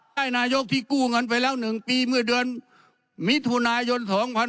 ให้นายกที่กู้เงินไปแล้ว๑ปีเมื่อเดือนมิถุนายน๒๕๖๒